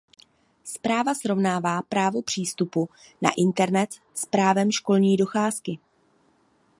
Zpráva srovnává právo přístupu na internet s právem školní docházky.